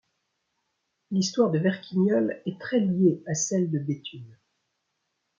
L'histoire de Verquigneul est très liée à celle de Béthune.